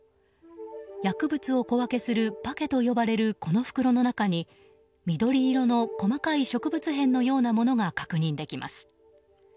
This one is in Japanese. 薬物を小分けするパケと呼ばれるこの袋の中に緑色の細かい植物片のようなものが確認できます。